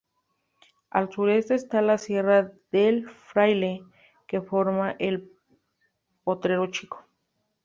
Al suroeste está la Sierra del Fraile, que forma el Potrero Chico.